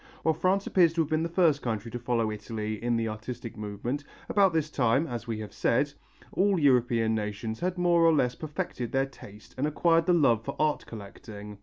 While France appears to have been the first country to follow Italy in the artistic movement, about this time, as we have said, all European nations had more or less perfected their taste and acquired the love for art collecting.